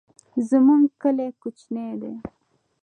زمونږ کلی کوچنی دی